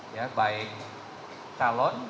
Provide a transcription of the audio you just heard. ya baik calon